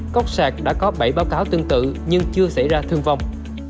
cốc sạc đã có bảy báo cáo tương tự nhưng chưa xảy ra thương vong